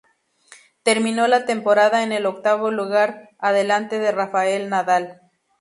Terminó la temporada en el octavo lugar adelante de Rafael Nadal.